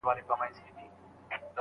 ډېر بېحده ورته ګران وو نازولی